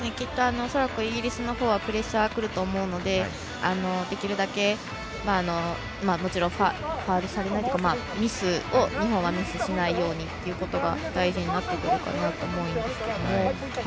恐らくイギリスのほうはプレッシャー、くると思うのでできるだけファウルされないというか日本はミスをしないようにということが大事になってくるかなと思うんですけども。